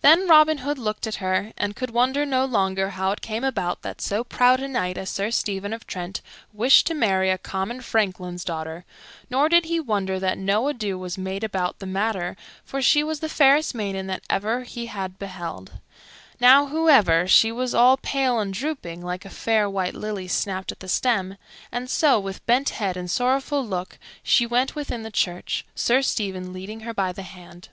Then Robin Hood looked at her, and could wonder no longer how it came about that so proud a knight as Sir Stephen of Trent wished to marry a common franklin's daughter; nor did he wonder that no ado was made about the matter, for she was the fairest maiden that ever he had beheld. Now, however, she was all pale and drooping, like a fair white lily snapped at the stem; and so, with bent head and sorrowful look, she went within the church, Sir Stephen leading her by the hand.